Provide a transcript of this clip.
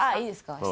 いいですか？